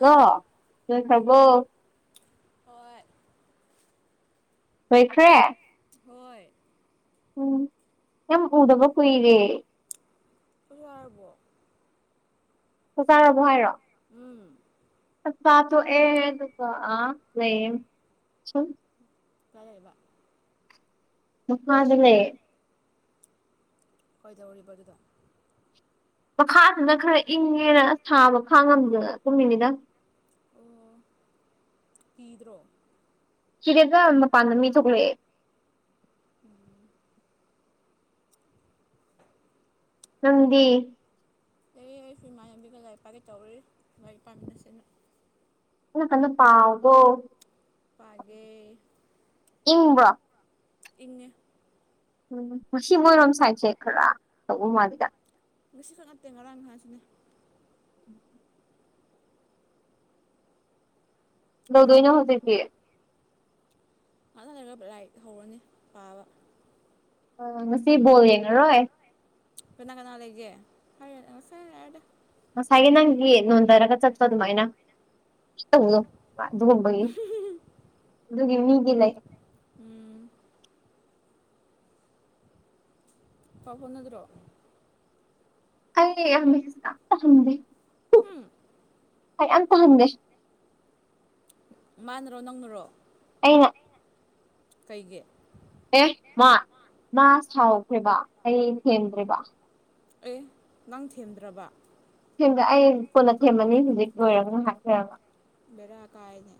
hello ꯂꯣꯏꯈꯥꯕꯣ ꯍꯣꯏ ꯂꯣꯏꯈ꯭ꯔꯦ ꯍꯣꯏ ꯎꯝ ꯅꯝ ꯎꯗꯕ ꯀꯨꯏꯔꯦ ꯌꯥꯛꯌꯥꯔꯕꯣ ꯆꯥꯛ ꯆꯥꯔꯕꯣ ꯍꯥꯏꯔꯣ ꯎꯝ ꯆꯥꯛꯆꯥ ꯇꯣꯛꯑꯦ ꯑꯗꯨꯒ ꯑꯥ ꯂꯩꯌꯦ ꯁꯨꯝ ꯀꯥꯏ ꯂꯩꯕ ꯃꯈꯥ ꯗ ꯂꯩꯌꯦ ꯀꯩꯗꯧꯔꯤꯕ ꯑꯗꯨꯗ ꯃꯈꯥꯗꯅ ꯈꯔ ꯏꯪꯉꯦꯅ ꯑꯁ ꯁꯥꯕ ꯈꯥꯉꯝꯗꯅ ꯀꯨꯝꯃꯤꯅꯤꯗ ꯑꯣ ꯀꯤꯗ꯭ꯔꯣ ꯁꯤꯗꯒ ꯃꯄꯥꯟꯗ ꯃꯤ ꯊꯣꯛꯂꯑꯦ ꯎꯝ ꯅꯪꯗꯤ ꯂꯩꯌꯦ ꯑꯩꯁꯨ ꯏꯃꯥꯌꯕꯤꯒ ꯂꯥꯏ ꯄꯥꯒꯦ ꯇꯧꯔꯤ ꯂꯥꯏ ꯄꯥꯃꯤꯟꯅꯁꯦꯅ ꯑꯩꯅ ꯀꯟꯗ ꯑꯗꯨꯝ ꯄꯥꯎꯀꯣ ꯄꯥꯒꯦ ꯏꯪꯕ꯭ꯔꯣ ꯏꯪꯉꯦ ꯎꯝ ꯉꯁꯤ ꯃꯣꯏꯔꯣꯝ ꯁꯥꯏꯠꯁꯦ ꯈꯔꯥ ꯇꯧꯕ ꯃꯥꯜꯂꯤꯗ ꯉꯁꯤꯈꯛ ꯅꯠꯇꯦ ꯉꯔꯥꯡ ꯉꯍꯥꯡꯁꯨꯅꯦ ꯀꯗꯧꯗꯣꯏꯅ ꯇꯥꯕ꯭ꯔꯥ ꯍꯧꯖꯤꯛꯇꯤ ꯉꯥꯠꯇꯪ ꯂꯩꯔꯒ ꯄꯥ ꯂꯥꯏꯔꯤꯛ ꯍꯧꯔꯅꯤ ꯄꯥꯕ ꯑꯥ ꯉꯁꯤ ꯕꯣꯜ ꯌꯦꯡꯉꯔꯣꯏ ꯀꯅꯥ ꯀꯅꯥ ꯂꯩꯒꯦ ꯐꯥꯏꯔꯦꯜ ꯉꯁꯥꯏ ꯂꯥꯛꯑꯦꯗ ꯉꯁꯥꯏꯒꯤ ꯅꯪꯒꯤ ꯅꯣꯟꯗꯔꯒ ꯆꯠꯄ ꯑꯗꯨꯃꯥꯏꯅ ꯇꯧꯅꯣꯕ ꯑꯗꯨꯒꯨꯝꯕꯒꯤ ꯑꯗꯨꯒꯤ ꯃꯤꯒꯤ ꯂꯩ ꯎꯝ ꯄꯥꯎ ꯐꯥꯎꯅꯗ꯭ꯔꯣ ꯑꯩ ꯌꯥꯝ ꯃꯦꯁꯦꯁꯇ ꯑꯍꯟꯗꯦ ꯍꯨꯝ ꯑꯩ ꯑꯝꯇ ꯍꯟꯗꯦ ꯃꯅꯔꯣ ꯅꯪꯅꯔꯣ ꯑꯩꯅ ꯀꯩꯒꯤ ꯑꯦ ꯃꯥ ꯃꯥ ꯁꯥꯎꯈ꯭ꯔꯦꯕ ꯑꯩ ꯊꯦꯝꯗ꯭ꯔꯦꯕ ꯑꯦ ꯅꯪ ꯊꯦꯝꯗ꯭ꯔꯕꯥ [unintelligible] ꯑꯩ ꯀꯣꯟꯅ ꯊꯦꯝꯃꯅꯤ ꯍꯧꯖꯤꯛ ꯂꯣꯏꯔꯒ ꯉꯥꯏꯍꯥꯛ ꯂꯩꯔꯒ ꯚꯦꯔꯥ ꯀꯥꯏꯅꯦ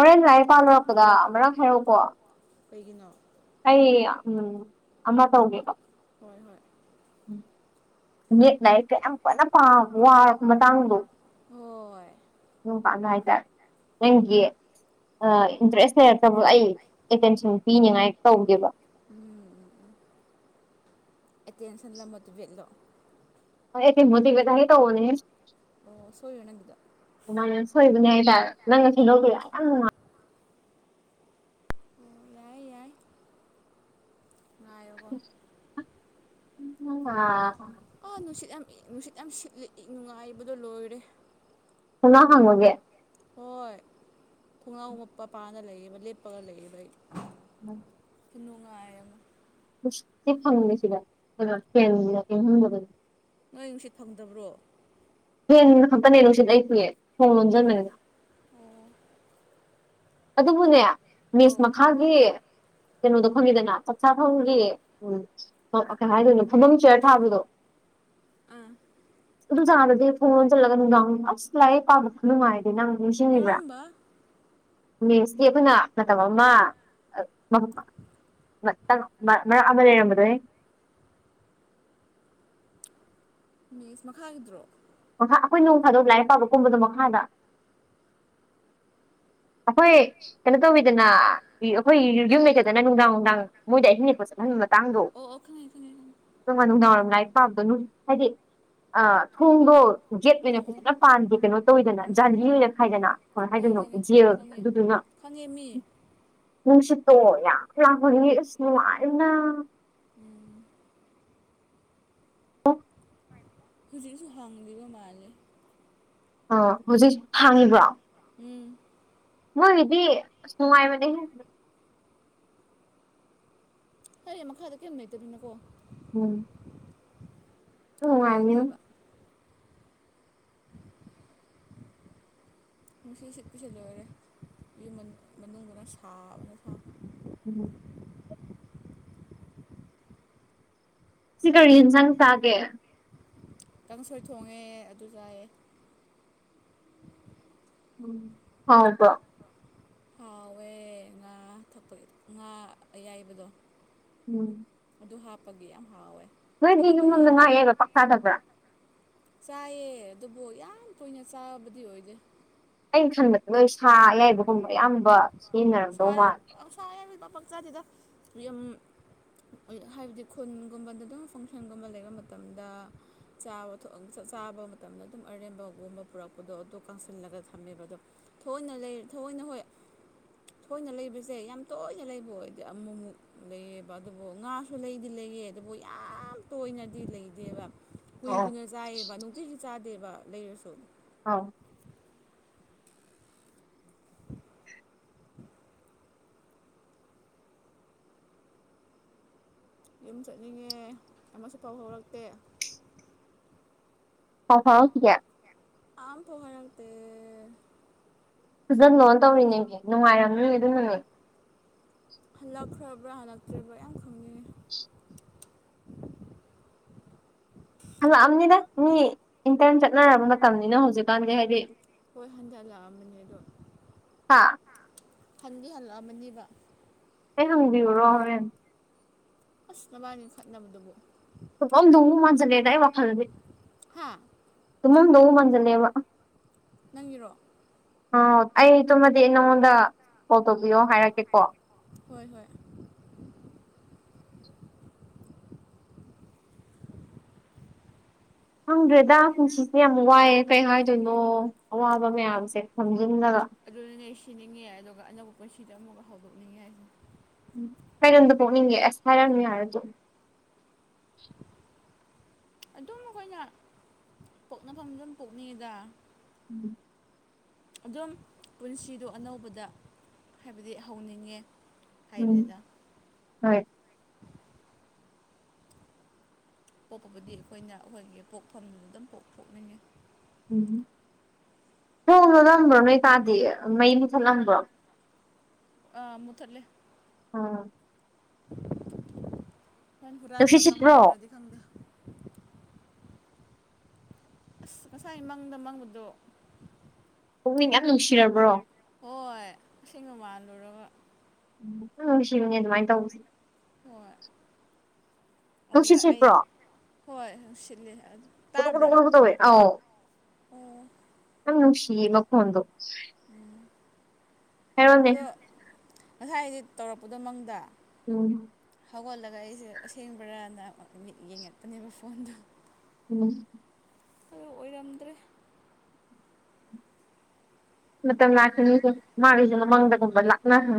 ꯍꯧꯔꯦꯟ ꯂꯥꯏꯔꯤꯛ ꯄꯥꯂꯣꯢꯔꯛꯄꯗ ꯃꯔꯜ ꯍꯥꯏꯔꯛꯎꯀꯣ ꯀꯩꯒꯤꯅꯣ ꯑꯩ ꯎꯝ ꯑꯃꯥ ꯇꯧꯒꯦꯕ ꯍꯣꯏ ꯍꯣꯏ [inaudible] ꯌꯦꯛ ꯂꯥꯢꯔꯤꯛꯀ ꯌꯥꯝ ꯀꯅꯥ ꯄꯥꯝꯕꯗ ꯋꯥꯔꯕ ꯃꯇꯥꯡꯗꯣ ꯍꯣꯏ ꯌꯨꯝ [unintelligible] ꯍꯥꯏꯇꯥꯔꯦ ꯅꯪꯒꯤ ꯏꯟꯇꯔꯦꯁ ꯂꯩꯔꯛꯇꯕ ꯑꯩ ꯑꯟꯇꯦꯟꯁꯟ ꯄꯤꯅꯤꯉꯥꯏ ꯇꯧꯒꯦꯕ [inaudible] ꯑꯦꯇꯦꯟꯁꯟꯂ [unintelligible] [unintelligible] ꯑꯣ ꯁꯣꯢꯔꯣ ꯅꯪꯒꯤꯗꯣ ꯁꯣꯏꯕꯅꯦ ꯍꯥꯏꯇꯥꯔꯦ ꯅꯪꯅ ꯁꯦꯝꯗꯣꯛꯄꯤꯔ ꯌꯥꯝ ꯅꯨꯡꯉꯥꯏ ꯑꯣ ꯌꯥꯏ ꯌꯥꯏ ꯉꯥꯏꯌꯣꯀꯣ [unintelligible] ꯑꯥ ꯅꯨꯡꯁꯤꯠ ꯌꯥꯝ ꯏ ꯅꯨꯡꯁꯤꯠ ꯌꯥꯝ ꯁꯤꯠꯂꯦ [unintelligible] ꯂꯣꯏꯔꯦ ꯃꯄꯥꯟꯗ [unintelligible] ꯍꯣꯏ [unintelligible] ꯂꯩꯌꯦꯕ ꯂꯦꯞꯄꯒ ꯂꯩꯌꯦꯕ ꯑꯩ [inaudible] ꯈꯨꯅꯨꯡꯉꯥꯏ ꯑꯃꯥ [inaudible] ꯅꯣꯏ ꯅꯨꯡꯁꯤꯠ ꯐꯪꯗꯥꯕ꯭ꯔꯣ ꯐꯦꯟ ꯈꯛꯇꯅꯦ ꯅꯨꯡꯁꯤꯠ ꯂꯩꯇꯤꯌꯦ ꯊꯣꯡ ꯂꯣꯝꯁꯤꯟꯕꯅꯤꯅ ꯑꯣ ꯑꯗꯨꯕꯨꯅꯦ ꯃꯦꯁ ꯑꯧ ꯃꯈꯥꯒꯤ ꯀꯩꯅꯣꯗꯣ ꯈꯪꯉꯤꯗꯅ ꯆꯥꯛ ꯆꯥ ꯐꯝꯒꯤ ꯎꯝ ꯀꯩ ꯍꯥꯏꯗꯣꯏꯅꯣ ꯐꯝꯕꯝ ꯆꯤꯌꯔ ꯊꯥꯕꯗꯣ [inaudible] ꯑꯗꯨꯖꯥꯗꯨꯗꯤ ꯊꯣꯡ ꯂꯣꯟ ꯖꯜꯂꯒ ꯅꯨꯡꯗꯥꯡ ꯑꯁ ꯂꯥꯏꯔꯤꯛ ꯄꯥꯕ ꯈꯨꯅꯨꯡꯉꯥꯏꯗꯤ ꯅꯪ ꯅꯤꯡꯁꯤꯡꯉꯤꯕ꯭ꯔꯥ ꯀꯔꯝꯕ ꯃꯦꯁꯀꯤ ꯑꯩꯈꯣꯏꯅ ꯃꯇꯝ ꯑꯃꯥ ꯃꯔꯛ ꯑꯃꯥ ꯂꯩꯔꯝꯕꯗꯨ ꯍꯦ ꯃꯦꯁ ꯃꯈꯥꯒꯤꯗ꯭ꯔꯣ ꯃꯈꯥ ꯑꯈꯣꯏ ꯅꯣꯡꯐꯗꯣꯛ ꯂꯥꯏꯔꯤꯛ ꯄꯥꯕꯀꯨꯝꯕꯗꯣ ꯃꯈꯥꯗ ꯑꯩꯈꯣꯏ ꯀꯩꯅꯣ ꯇꯧꯋꯤꯗꯅꯥ ꯑꯩꯈꯣꯏ ꯌꯨꯝ ꯂꯩꯇꯗꯅꯥ ꯅꯨꯡꯗꯥꯡ ꯅꯨꯡꯗꯥꯡ ꯃꯣꯏꯗꯥ ꯑꯍꯤꯡ ꯂꯦꯛꯄꯥ ꯆꯠꯍꯟꯕꯥ ꯃꯇꯥꯡꯗꯣ ꯑꯣ ꯑꯣ ꯈꯪꯉꯦ ꯈꯪꯉꯦ [unintelligible] ꯅꯨꯡꯗꯥꯡ ꯋꯥꯏꯔꯝ ꯂꯥꯏꯔꯤꯛ ꯄꯥꯕꯗꯣ ꯍꯥꯏꯗꯤ ꯑꯥ ꯊꯣꯡꯗꯣ ꯒꯦꯠ ꯑꯣꯏꯅ ꯑꯧ ꯑꯧ ꯐꯖꯅ ꯄꯥꯟꯗꯦ ꯀꯩꯅꯣ ꯇꯧꯋꯤꯗꯅ ꯎꯝ ꯖꯥꯟꯂꯤ ꯎꯝ ꯑꯣꯏꯅ ꯈꯥꯏꯗꯅꯥ ꯀꯃꯥꯏ ꯈꯪꯉꯦ ꯍꯥꯏꯗꯣꯏꯅꯣ ꯈꯪꯉꯦ ꯖꯦꯜ ꯈꯪꯉꯦ ꯑꯗꯨꯗꯨꯅꯥ ꯈꯪꯉꯦ ꯃꯤ ꯅꯨꯡꯁꯤꯠꯇꯣ ꯌꯥꯝ ꯂꯥꯛꯄꯒꯤꯅꯦ ꯑꯁ ꯅꯨꯡꯉꯥꯏꯕꯅ ꯎꯝ [inaudible] ꯍꯧꯖꯤꯛꯁꯨ ꯍꯥꯡꯂꯤꯕ ꯃꯥꯂꯦ ꯑꯥ ꯍꯧꯖꯤꯛ ꯍꯥꯡꯉꯤꯕ꯭ꯔꯣ ꯎꯝ ꯃꯣꯏꯒꯤꯗꯤ ꯑꯁ ꯅꯨꯉꯥꯏꯕꯅꯦ ꯍꯦ [unintelligible] ꯃꯈꯥꯗ ꯀꯤꯝ ꯂꯩꯇꯕꯅꯤꯅꯀꯣ ꯎꯝ ꯅꯨꯡꯉꯥꯏꯕꯅꯤ ꯀꯥꯏꯗꯦꯕ ꯅꯨꯡꯁꯤꯠ ꯁꯤꯠꯄꯁꯦ ꯂꯣꯏꯔꯦ ꯌꯨꯝ ꯃꯅꯨꯡꯗꯅ ꯁꯥꯕꯅ ꯀꯣ ꯎꯝ ꯉꯁꯤ ꯀꯔꯤ ꯏꯟꯁꯥꯡ ꯆꯥꯒꯦ ꯀꯥꯡꯁꯣꯏ ꯊꯣꯡꯉꯦ ꯑꯗꯨ ꯆꯥꯏꯌꯦ ꯎꯝ ꯍꯥꯎꯕ꯭ꯔꯣ ꯍꯥꯎꯋꯦ ꯉꯥ ꯊꯥꯛꯄꯒꯤ ꯉꯥ ꯑꯌꯥꯏꯕꯗꯣ ꯎꯝ ꯑꯗꯨ ꯍꯥꯞꯄꯒꯤ ꯌꯥꯝ ꯍꯥꯎꯋꯦ ꯅꯣꯏꯗꯤ ꯑꯗꯨꯒ ꯌꯨꯝ ꯂꯣꯝꯗ ꯉꯥ ꯌꯦꯟꯗꯦꯝ ꯑꯌꯥꯏꯕ ꯄꯥꯛ ꯆꯥꯗꯕ꯭ꯔꯥ ꯆꯥꯏꯌꯦ ꯑꯗꯨꯕꯨ ꯌꯥꯝ ꯇꯣꯏꯅ ꯆꯥꯕꯗꯤ ꯑꯣꯏꯗꯦ ꯑꯩꯅ ꯈꯟꯕꯗ ꯅꯣꯏ ꯁꯥ ꯑꯌꯥꯏꯕꯒꯨꯝꯕ ꯑꯌꯥꯝꯕ ꯁꯥ ꯁꯤꯖꯤꯟꯅꯔꯝꯗꯧ ꯃꯥꯜꯂꯦ ꯁꯥ ꯑꯌꯥꯏꯕꯗꯤ ꯄꯥꯛ ꯄꯥꯛ ꯆꯥꯗꯦꯗ ꯌꯨꯝ ꯍꯥꯏꯕꯗꯤ ꯈꯨꯟꯒꯨꯝꯕꯗ ꯑꯗꯨꯝ ꯐꯪꯁꯟꯒꯨꯝꯕ ꯂꯩꯕ ꯃꯇꯝꯗ ꯆꯥ ꯊꯣꯛ ꯆꯥꯕ ꯃꯇꯝꯗ ꯑꯗꯨꯝ ꯑꯔꯦꯝꯕꯒꯨꯝꯕ ꯄꯨꯔꯛꯄꯗꯣ ꯑꯗꯨ ꯀꯪꯁꯤꯜꯂꯒ ꯊꯝꯃꯦꯕ ꯑꯗꯨꯝ ꯊꯑꯣꯏꯅ ꯂꯩꯔ ꯊꯑꯣꯏꯅ ꯍꯣꯏ ꯊꯑꯣꯏꯅ ꯂꯩꯕꯁꯦ ꯌꯥꯝ ꯇꯣꯏꯅ ꯂꯩꯕ ꯑꯣꯏꯗꯦ ꯑꯃꯨꯃꯨꯛ ꯂꯩꯌꯦꯕ ꯑꯗꯨꯕꯨ ꯉꯥ ꯁꯨ ꯂꯩꯗꯤ ꯂꯩꯌꯦ ꯑꯗꯨꯕꯨ ꯌꯥꯝ ꯇꯣꯏꯅꯗꯤ ꯂꯩꯗꯦꯕ ꯀꯨꯏꯅ ꯑꯧ ꯀꯨꯏꯅ ꯆꯥꯏꯌꯦꯕ ꯅꯨꯡꯇꯤꯒꯤ ꯆꯥꯗꯦꯕ ꯂꯩꯔꯁꯨ ꯍꯥꯎ ꯌꯨꯝ ꯆꯠꯅꯤꯡꯉꯦ ꯑꯃꯁꯨ ꯄꯥꯎ ꯐꯥꯎꯔꯛꯇꯦ ꯄꯥꯎ ꯐꯥꯎꯔꯛꯈꯤꯗꯦ ꯑꯝ ꯐꯥꯎ ꯍꯥꯏꯔꯛꯇꯦ ꯐꯖꯟꯂꯣꯟ ꯇꯧꯔꯤꯉꯩ ꯅꯨꯡꯉꯥꯏꯔꯝꯅꯤ ꯑꯗꯨꯅꯅꯦ ꯍꯜꯂꯛꯈ꯭ꯔꯕ꯭ꯔꯥ ꯍꯜꯂꯛꯇꯔꯤꯕ꯭ꯔꯥ ꯌꯥꯝ ꯈꯪꯅꯤꯡꯉꯦ [inaudible] ꯍꯜꯂꯛꯑꯝꯅꯤꯗ ꯃꯤ ꯏꯟꯇꯔꯟ ꯆꯠꯅꯔ ꯃꯇꯝꯅꯤꯅ ꯍꯧꯖꯤꯛꯀꯥꯟꯗꯤ ꯍꯥꯏꯗꯤ ꯍꯣꯏ ꯍꯟꯗꯛ ꯂꯥꯛꯑꯝꯕꯅꯤ ꯑꯗꯣ ꯍꯥꯥ ꯍꯟꯗꯤ ꯍꯜꯂꯛꯑꯃꯅꯦꯕ ꯑꯩ ꯍꯪꯕꯤꯌꯨꯔꯣ ꯍꯣꯔꯦꯟ ꯑꯁ ꯅꯕꯥꯟꯅꯤ ꯈꯠꯅꯕꯗꯨꯕꯨ ꯇꯨꯝꯃꯝꯗꯧꯕꯨ ꯃꯥꯟꯖꯤꯜꯂꯛ ꯑꯦꯂꯦꯗ ꯑꯩ ꯋꯥꯈꯜꯗꯗꯤ ꯍꯥ ꯇꯨꯝꯃꯝꯗꯧ ꯃꯥꯟꯁꯤꯜꯂꯦꯕ ꯅꯪꯒꯤꯔꯣ ꯑꯥ ꯑꯩ ꯇꯨꯝꯃꯗꯤ ꯑꯩ ꯅꯪꯉꯣꯟꯗ ꯀꯣꯜ ꯇꯧꯕꯤꯌꯣ ꯍꯥꯏꯔꯛꯀꯦ ꯀꯣ ꯍꯣꯏ ꯍꯣꯏ ꯈꯪꯗ꯭ꯔꯦꯗ ꯄꯨꯟꯁꯤꯁꯦ ꯌꯥꯝ ꯋꯥꯏꯑꯦ ꯀꯩ ꯍꯥꯏꯗꯣꯏꯅꯣ ꯑꯋꯥꯕ ꯃꯌꯥꯝꯁꯦ ꯊꯝꯖꯤꯟꯅꯕ ꯑꯗꯨꯅꯅꯦ ꯁꯤꯅꯤꯡꯉꯦ ꯑꯗꯨꯒ ꯑꯅꯧꯕ ꯄꯨꯟꯁꯤꯗ ꯑꯃꯨꯛꯀ ꯍꯧꯗꯣꯛꯅꯤꯡꯉꯦ ꯍꯥꯏꯁꯤꯅꯤ ꯀꯩ ꯂꯝꯗ ꯄꯣꯛꯅꯤꯡꯒꯦ ꯑꯁ ꯍꯥꯏꯔꯛꯑꯅꯨ ꯌꯥꯔꯦ ꯇꯣꯛ ꯑꯗꯨꯝ ꯑꯩꯈꯣꯏꯅ ꯄꯣꯛꯅꯐꯝꯗ ꯑꯗꯨꯝ ꯄꯣꯛꯅꯤꯡꯉꯤꯗ ꯎꯝ ꯑꯗꯨꯝ ꯄꯨꯟꯁꯤꯗꯣ ꯑꯅꯧꯕꯗ ꯍꯥꯏꯕꯗꯤ ꯍꯧꯅꯤꯡꯉꯦ ꯎꯝ ꯍꯥꯏꯕꯅꯤꯗ ꯍꯣꯏ ꯄꯣꯛꯄꯕꯨꯗꯤ ꯑꯩꯈꯣꯏꯅ ꯑꯩꯈꯣꯏꯒꯤ ꯄꯣꯛꯐꯝꯗꯨꯗ ꯑꯗꯨꯝ ꯄꯣꯛ ꯄꯣꯛꯅꯤꯡꯉꯦ ꯎꯝ ꯍꯨꯝ ꯊꯣꯡ ꯂꯣꯜꯂꯝꯕ꯭ꯔꯣ ꯅꯣꯏ ꯀꯥꯗꯤ ꯃꯩ ꯃꯨꯊꯠꯂꯝꯕ꯭ꯔꯣ ꯑꯥ ꯃꯨꯊꯠꯂꯦ [unintelligible] ꯁꯟ ꯍꯨꯔꯥꯟꯕ ꯅꯨꯡꯁꯤꯠ ꯁꯤꯠꯄ꯭ꯔꯣ ꯆꯪꯉꯝꯒꯦꯔꯥꯗꯤ ꯈꯪꯗꯦ ꯑꯁ ꯉꯁꯥꯏ ꯃꯪꯗ ꯃꯪꯕꯗꯣ ꯄꯨꯛꯅꯤꯡ ꯌꯥꯝ ꯅꯨꯡꯁꯤꯔꯕ꯭ꯔꯣ ꯍꯣꯏ ꯑꯁꯦꯡꯕ ꯃꯥꯜꯂꯨꯔꯒ [unintelligible] ꯅꯨꯡꯁꯤꯕꯅꯦ ꯑꯗꯨꯃꯥꯏꯅ ꯇꯧꯕꯁꯦ ꯍꯣꯏ ꯑꯗꯨꯒ ꯅꯨꯡꯁꯤꯠ ꯑꯩ ꯁꯤꯠꯄ꯭ꯔꯣ ꯍꯣꯏ ꯁꯤꯜꯂꯦ ꯑꯗꯨ ꯒꯨꯗꯨꯛ ꯒꯨꯗꯨꯛ ꯇꯥꯕ꯭ꯔꯥ ꯒꯨꯗꯨꯛ ꯇꯧꯋꯦ ꯑꯧ ꯑꯣ ꯌꯥꯝ ꯅꯨꯡꯁꯤꯌꯦ ꯃꯈꯣꯜ ꯗꯣ ꯑꯗꯣ ꯉꯁꯥꯏꯗꯤ ꯇꯧꯔꯛꯄꯗꯣ ꯃꯪꯗ ꯎꯝ ꯍꯧꯒꯠꯂꯒ ꯑꯩꯁꯦ ꯑꯁꯦꯡꯕꯔꯥꯅ [unintelligible] ꯃꯤꯠ ꯌꯦꯡꯉꯛꯄꯅꯦꯕ ꯐꯣꯟꯗꯣ [unintelligible] ꯑꯗꯨ ꯑꯣꯏꯔꯝꯗ꯭ꯔꯦ ꯃꯇꯝ ꯂꯥꯛꯈꯤꯅꯤꯁꯦ ꯃꯥꯒꯤꯁꯨ ꯃꯃꯡꯗꯒꯨꯝꯕ ꯂꯥꯛꯅꯁꯅꯨ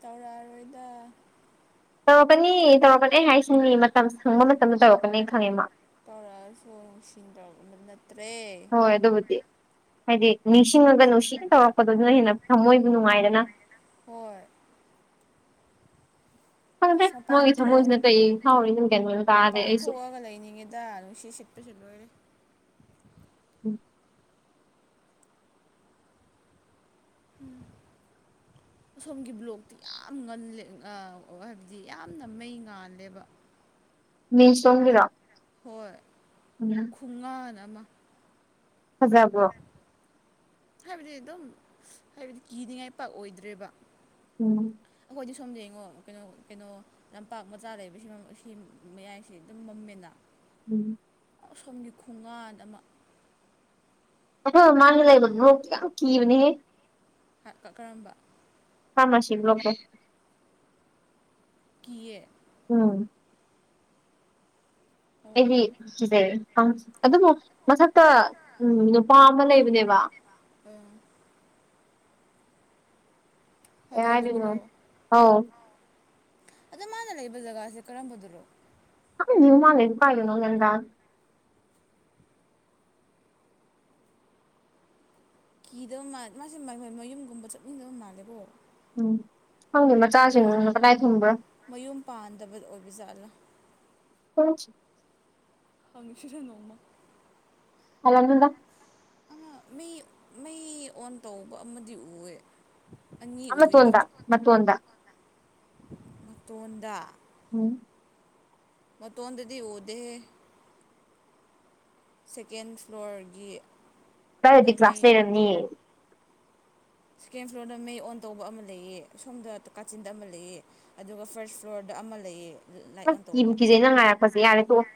ꯇꯧꯔꯛꯑꯔꯣꯏꯗ ꯇꯧꯔꯛꯀꯅꯤ ꯇꯧꯔꯛꯄꯅꯤ ꯑꯩ ꯍꯥꯏꯁꯤꯅꯤ ꯃꯇꯝ ꯁꯪꯕ ꯃꯇꯝꯗ ꯇꯧꯔꯛꯀꯅꯤ ꯈꯪꯉꯦ ꯃꯥ ꯇꯧꯔꯛꯑꯁꯨ ꯅꯨꯡꯁꯤꯡꯗꯧ ꯅꯠ ꯅꯠꯇ꯭ꯔꯦ ꯍꯣꯏ ꯑꯗꯨꯕꯨꯗꯤ ꯍꯥꯏꯗꯤ ꯅꯤꯡꯁꯤꯡꯉꯒ ꯅꯨꯡꯁꯤꯅ ꯇꯧꯔꯛꯄꯗꯗꯨꯅ ꯍꯦꯟꯅ ꯊꯃꯣꯏꯕꯨ ꯅꯨꯡꯉꯥꯏꯗꯅ ꯍꯣꯏ ꯈꯪꯗ꯭ꯔꯦ ꯑꯁ ꯃꯄꯥꯟ ꯃꯣꯏꯒꯤ ꯊꯣꯛ ꯊꯃꯣꯏꯁꯤꯅ ꯀꯩ ꯐꯥꯎꯔꯤꯅꯣ ꯒ꯭ꯌꯥꯟ ꯃꯦꯟ ꯇꯥꯗꯦ ꯃꯄꯥꯟ ꯑꯩꯁꯨ ꯊꯣꯛꯑꯒ ꯂꯩꯅꯤꯡꯉꯦ ꯗ ꯅꯨꯡ ꯁꯤꯠꯄ ꯁꯤ ꯂꯣꯏꯔꯦ ꯎꯝ ꯑꯁꯣꯝꯒꯤ ꯕ꯭ꯂꯣꯛꯇꯤ ꯌꯥꯝ ꯉꯜꯂꯦ ꯑꯥ ꯍꯥꯏꯕꯗꯤ ꯌꯥꯝꯅ ꯃꯩ ꯉꯥꯜꯂꯦꯕ ꯃꯦꯁ ꯂꯣꯝꯒꯤꯔꯣ ꯍꯣꯏ [unintelligible] ꯈꯨꯉꯥꯟ ꯑꯃ ꯐꯖꯕ꯭ꯔꯣ ꯍꯥꯏꯕꯗꯤ ꯑꯗꯨꯝ ꯍꯥꯏꯕꯗꯤ ꯀꯤꯅꯤꯡꯉꯥꯏ ꯄꯥꯛ ꯑꯣꯏꯗ꯭ꯔꯦꯕ ꯎꯝ ꯑꯩꯈꯣꯏꯗꯤ ꯁꯣꯝꯗ ꯌꯦꯡꯉꯣ ꯀꯩꯅꯣ ꯀꯩꯅꯣ ꯂꯝꯄꯥꯛ ꯃꯆꯥ ꯂꯩꯕꯁꯤ [unintelligible] ꯁꯤ ꯃꯌꯥꯏꯁꯤ ꯑꯗꯨꯝ ꯃꯝꯃꯦꯅ ꯎꯝ ꯑꯁꯣꯝꯒꯤ ꯈꯨꯉꯥꯟ ꯑꯃ ꯑꯈꯣꯏ ꯃꯃꯥꯡꯒꯤ ꯂꯩꯕ ꯕ꯭ꯂꯣꯛꯇꯣ ꯌꯥꯝ ꯀꯤꯕꯅꯤꯍꯦ ꯀꯥ ꯀ ꯀꯔꯝꯕ ꯐꯥꯔꯃꯥꯁꯤ ꯕ꯭ꯂꯣꯛꯇꯣ ꯀꯤꯌꯦ ꯎꯝ ꯑꯣ ꯑꯩꯗꯤ ꯀꯤꯖꯩ ꯑꯗꯨꯕꯨ ꯃꯊꯛꯇ ꯅꯨꯄꯥ ꯑꯃ ꯂꯩꯕꯅꯦꯕ ꯎꯝ ꯀꯩ ꯍꯅꯨꯕꯗꯨꯔꯣ ꯍꯥꯏꯗꯣꯏꯅꯣ ꯑꯧ ꯑꯗꯣ ꯃꯥꯅ ꯂꯩꯕ ꯖꯒꯥꯁꯦ ꯀꯔꯝꯕꯗꯔꯣ ꯈꯪꯗꯦ ꯃꯥꯅ ꯂꯩꯁꯦ ꯀꯥꯏꯗꯅꯣ ꯒ꯭ꯌꯥꯟ ꯇꯗꯦ ꯀꯤꯗꯕ ꯃꯥꯜ ꯃꯥ ꯃꯥꯁꯦ ꯃꯌꯨꯝꯒꯨꯝꯕ ꯆꯠꯅꯤꯡꯗꯕ ꯃꯥꯜꯂꯦꯕꯣ ꯎꯝ ꯈꯪꯗꯦ ꯃꯆꯥꯁꯤꯡꯅ ꯀꯗꯥꯏ ꯊꯝꯕ꯭ꯔꯥ ꯃꯌꯨꯝ ꯄꯥꯟꯗꯕꯗ ꯑꯣꯏꯕꯖꯥꯠꯂꯥ [unintelligible] ꯍꯪꯁꯤꯔ ꯅꯣꯡꯃꯥ [unintelligible] ꯃꯤ ꯃꯩ ꯑꯣꯟ ꯇꯧꯕ ꯑꯃꯗꯤ ꯎꯋꯦ ꯑꯅꯤ ꯑꯣꯏꯕ ꯇꯣꯟꯗ ꯃꯇꯣꯟꯗ ꯎꯝ ꯃꯇꯣꯟꯗꯗꯤ ꯎꯗꯦꯍꯦ ꯁꯦꯀꯦꯟ ꯐ꯭ꯂꯣꯔꯒꯤ ꯑꯗꯥꯏꯗꯤ ꯗ ꯀ꯭ꯂꯥꯁ ꯃꯩ ꯂꯩꯔꯝꯅꯤ ꯁꯦꯀꯦꯟ ꯐ꯭ꯂꯣꯔꯗ ꯃꯩ ꯑꯣꯟ ꯇꯧꯕ ꯑꯃ ꯂꯩꯌꯦ ꯑꯁꯣꯝꯗ ꯀꯥꯆꯤꯟꯗ ꯑꯃ ꯂꯩꯌꯦ ꯑꯗꯨꯒ ꯐꯥꯔꯁꯠ ꯐ꯭ꯂꯣꯔꯗ ꯑꯃ ꯂꯩꯌꯦ ꯂꯥꯏꯠ ꯑꯁ ꯑꯣꯟ ꯀꯤꯕꯨ ꯇꯧꯕ ꯀꯤꯖꯩ ꯅꯪ ꯍꯥꯏꯔꯛꯄꯁꯦ ꯌꯥꯔꯦ ꯇꯣꯛꯑꯣ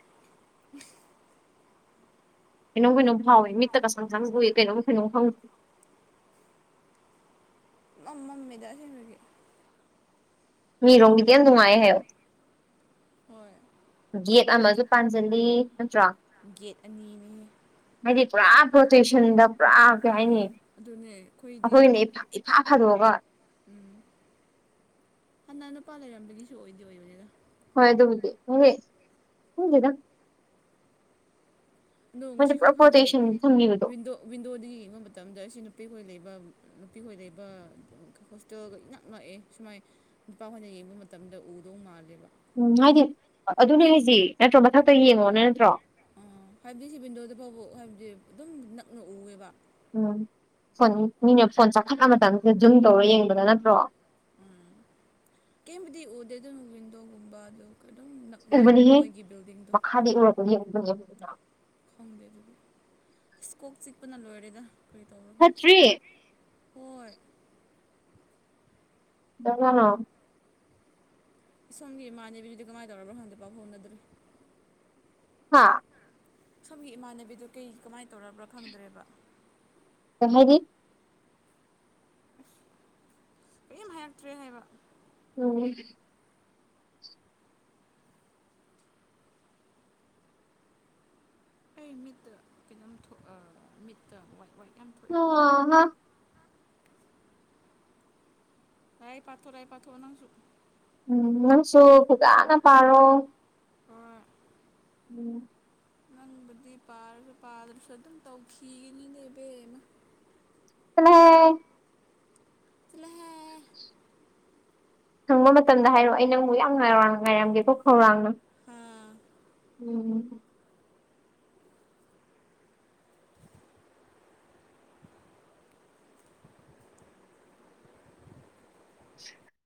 ꯀꯩꯅꯣꯝ ꯀꯩꯅꯣꯝ ꯐꯥꯎꯋꯦ ꯃꯤꯠꯇ ꯀꯁꯪꯁꯪ ꯎꯏ ꯀꯩꯅꯣꯝ ꯀꯩꯅꯣꯝ ꯈꯪꯗꯦ ꯃꯝ ꯃꯝꯃꯤꯗꯥ ꯑꯁꯤꯡꯕꯒꯤ ꯃꯤꯔꯣꯝꯒꯤꯗꯤ ꯌꯥꯝ ꯅꯨꯡꯉꯥꯏꯌꯦ ꯍꯥꯏꯌꯣ ꯍꯣꯏ ꯒꯦꯠ ꯑꯃꯁꯨ ꯄꯥꯟꯖꯤꯜꯂꯤ ꯅꯠꯇ꯭ꯔꯣ ꯒꯦꯠ ꯑꯅꯤꯅꯤꯍꯦ ꯍꯥꯏꯗꯤ ꯄꯨꯔꯥ ꯄꯣꯇꯦꯁꯟꯗ ꯄꯨꯔꯥ ꯀꯩ ꯍꯥꯏꯅꯤ ꯑꯦ ꯑꯩꯈꯣꯏꯗꯤ ꯏꯐ ꯐꯥꯗꯣꯛꯑꯒ ꯎꯝ ꯍꯥꯟꯅ ꯅꯨꯄꯥ ꯂꯩꯔꯝꯕꯝꯕꯒꯤꯁꯨ ꯑꯣꯏꯗꯤ ꯑꯣꯏꯕꯅꯤꯗ ꯍꯣꯏ ꯑꯗꯨꯕꯨꯗꯤ ꯍꯣꯏ ꯈꯪꯗꯦꯗ ꯅꯣꯡ ꯉꯁꯤ ꯃꯣꯏꯗꯤ ꯄꯨꯔꯥ ꯈꯛ ꯈꯪꯉꯦ ꯄ꯭ꯔꯣꯇꯦꯛꯁꯟ ꯊꯝꯕꯤꯕꯗꯣ ꯋꯤꯟꯗꯣ ꯋꯤꯟꯗꯣꯗꯩ ꯌꯦꯡꯕ ꯃꯇꯝꯗ ꯑꯁꯤ ꯅꯨꯄꯤꯈꯣꯏ ꯂꯩꯕ ꯅꯨꯄꯤꯈꯣꯏ ꯂꯩꯕ ꯍꯣꯁꯇꯦꯜꯒ ꯏꯛ ꯅꯛꯑꯦ ꯁꯨꯃꯥꯏ ꯅꯨꯄꯥꯈꯣꯏꯅ ꯌꯦꯡꯕ ꯃꯇꯝꯗ ꯎꯗꯧ ꯃꯥꯜꯂꯦꯕ ꯎꯝ ꯍꯥꯏꯗꯤ ꯑꯗꯨꯅꯦ ꯍꯥꯏꯁꯦ ꯅꯠꯇ꯭ꯔꯣ ꯃꯊꯛꯇꯩ ꯌꯦꯡꯉꯣꯅꯦ ꯅꯠꯇ꯭ꯔꯣ ꯑꯣ ꯐꯥꯏꯚ ꯗꯤ ꯁꯤ ꯕꯤꯟꯗꯣꯗ ꯐꯥꯎꯕ ꯍꯥꯏꯕꯗꯤ ꯑꯗꯨꯝ ꯅꯛꯅ ꯎꯑꯦꯕ ꯎꯝ ꯐꯣꯟ ꯃꯤꯅ ꯐꯣꯟ ꯆꯥꯈꯠꯂ ꯃꯇꯝꯁꯤꯗ ꯖꯨꯝ ꯇꯧꯔ ꯌꯦꯡꯕꯗ ꯅꯠꯇ꯭ꯔꯣ ꯀꯩꯝꯕꯨꯗꯤ ꯎꯗꯦ ꯑꯗꯨꯅ ꯋꯤꯟꯗꯣꯒꯨꯝꯕ ꯑꯗꯨ ꯑꯗꯨꯝ ꯅꯛꯅ ꯃꯣꯏꯒꯤ ꯕꯤꯜꯗꯤꯡꯗꯣ ꯎ [unintelligible] ꯈꯪꯗꯦ ꯑꯗꯨꯗꯤ ꯏꯁ ꯀꯣꯛ ꯆꯤꯛꯄꯅ ꯂꯣꯏꯔꯦꯗ ꯀꯔꯤ ꯇꯧꯕꯔꯥ ꯈꯪꯗꯦ ꯐꯠꯇ꯭ꯔꯤ ꯍꯣꯏ ꯉ [unintelligible] ꯑꯁꯣꯝꯒꯤ ꯏꯃꯥꯟꯅꯕꯕꯤꯒꯤꯗꯤ ꯀꯃꯥꯏ ꯇꯧꯔꯕ꯭ꯔꯥ ꯈꯪꯗꯦ ꯄꯥꯎ ꯐꯥꯎꯅꯗ꯭ꯔꯔꯤ ꯍꯥꯥ ꯁꯣꯝꯒꯤ ꯏꯃꯥꯟꯅꯕꯤꯗꯨ ꯀꯩ ꯀꯃꯥꯏꯟ ꯇꯧꯔꯕ꯭ꯔꯥ ꯈꯪꯗ꯭ꯔꯦꯕ [unintelligible] ꯗꯤ ꯀ꯭ꯔꯤꯝ ꯍꯥꯏꯔꯛꯇ꯭ꯔꯦ ꯍꯥꯏꯕ ꯎꯝ ꯑꯩ ꯃꯤꯠꯇ ꯀꯩꯅꯣꯝ ꯊꯣꯛ ꯑꯥ ꯃꯤꯠꯇ ꯋꯥꯏꯠ ꯋꯥꯏꯠ ꯌꯥꯝ ꯊꯣꯛꯑꯦ [unintelligible] ꯂꯥꯢꯛ ꯄꯊꯣꯔꯛꯑꯦ ꯄꯊꯣꯛꯑꯣ ꯅꯪꯁꯨ ꯎꯝ ꯅꯪꯁꯨ ꯐꯖꯥꯅ ꯄꯥꯔꯣ ꯍꯣꯢ ꯎꯝ ꯅꯪꯕꯨꯗꯤ ꯄꯥꯔꯁꯨ ꯄꯥꯗ꯭ꯔꯁꯨ ꯑꯗꯨꯝ ꯇꯧꯈꯤꯒꯅꯤꯅꯦ ꯏꯕꯦꯝꯃ ꯆꯂꯍꯦ ꯆꯂꯍꯦ ꯁꯪꯕ ꯃꯇꯝꯗ ꯍꯥꯏꯔꯣꯑꯣ ꯑꯩ ꯅꯪꯕꯨ ꯌꯥꯝ ꯉꯥꯢꯔꯝ ꯉꯥꯏꯔꯝꯒꯦꯀꯣ ꯈꯧꯔꯥꯡꯅ ꯎꯝ